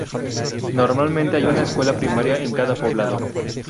Normalmente hay una escuela primaria en cada poblado.